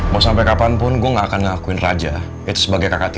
mau sampai kapanpun gue gak akan ngelakuin raja itu sebagai kakak tiri